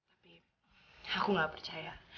tapi aku gak percaya